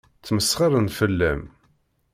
Ttmesxiṛen fell-am.